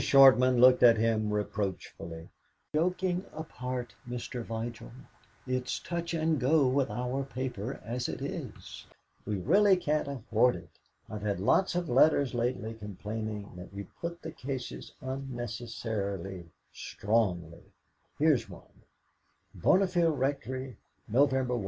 Shortman looked at him reproachfully. "Joking apart, Mr. Vigil, it's touch and go with our paper as it is; we really can't afford it. I've had lots of letters lately complaining that we put the cases unnecessarily strongly. Here's one: "'BOURNEFIELD RECTORY, "'November 1.